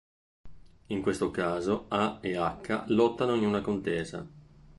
In questo caso A e H lottano in una contesa.